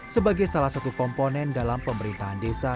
sebagai salah satu komponen dalam pemerintahan desa